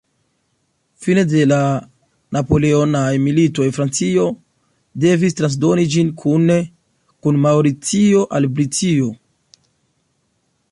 Fine de la Napoleonaj militoj Francio devis transdoni ĝin kune kun Maŭricio al Britio.